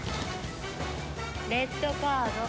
レッドカード。